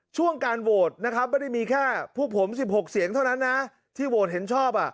ช่วงการโหวตนะครับไม่ได้มีแค่พวกผม๑๖เสียงเท่านั้นนะที่โหวตเห็นชอบ